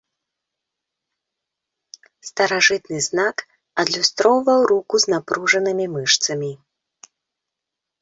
Старажытны знак адлюстроўваў руку з напружанымі мышцамі.